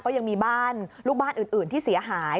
ก็ยังมีบ้านลูกบ้านอื่นที่เสียหาย